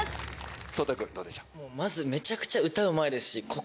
颯太君どうでした？